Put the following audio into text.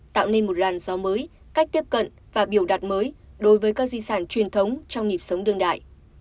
tạo nên một làn gió mới cách tiếp cận và biểu đạt mới đối với các di sản truyền thống trong nhịp sống đương đại